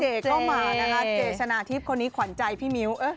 เจชนะทิพย์คนนี้ขวัญใจพี่มิ้ว